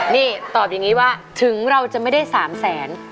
นี่ตอบอย่างนี้ว่าถึงเราจะไม่ได้๓แสน